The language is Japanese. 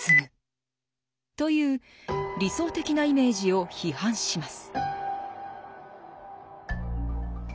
という理想的なイメージを批判します。